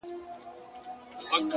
بلا وهلی يم له سترگو نه چي اور غورځي’